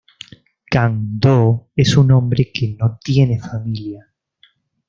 Kang-do es un hombre que no tiene familia.